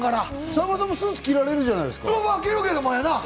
さんまさんもスーツ着るじゃないですか。